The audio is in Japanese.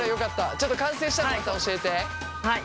ちょっと完成したらまた教えて。